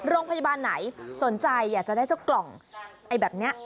โรงพยาบาลไหนสนใจอยากจะได้เจ้ากล่องแบบนี้